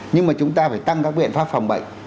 nhưng mà chúng ta phải tăng các biện pháp phòng bệnh